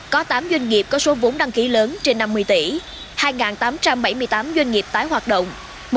có tám doanh nghiệp có số vốn đăng ký lớn trên năm mươi tỷ hai tám trăm bảy mươi tám doanh nghiệp tái hoạt động